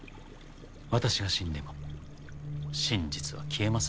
私が死んでも真実は消えませんよ。